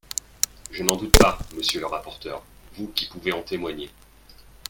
Je n’en doute pas, monsieur le rapporteur, vous qui pouvez en témoigner.